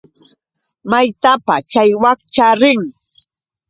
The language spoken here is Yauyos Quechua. ¿Maytapa chay wakcha rin?